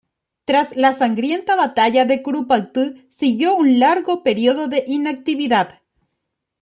Tras la sangrienta batalla de Curupayty siguió un largo período de inactividad.